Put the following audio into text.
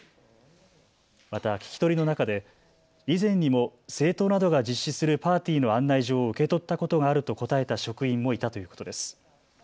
また聞き取りの中で以前にも政党などが実施するパーティーの案内状を受け取ったことがあると答えた職員もいたということです。